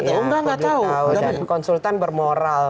publik tahu dan konsultan bermoral